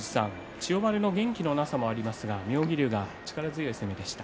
千代丸の元気のなさもありますが妙義龍は力強い攻めでした。